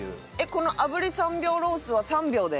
この炙り３秒ロースは３秒で？